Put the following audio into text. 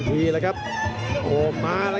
โหโหโหโหโหโหโห